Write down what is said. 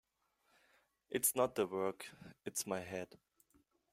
It’s not the work — it’s my head.